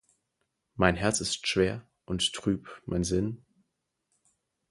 Mein Herz ist schwer und trüb mein Sinn,!